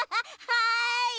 はい。